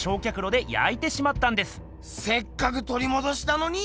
せっかく取り戻したのに？